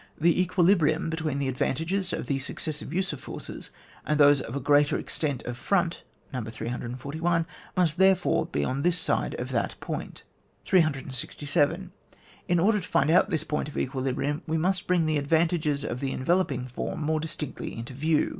The equilibrium between the ad vantages of the BucceBsiye use of forces, and those of a greater extent of front (No. 341) must, therefore, be on this side of that point. 367. In order to find out this point of equilibrium, we must bring the advan tages of the enveloping form more dis tinctly into view.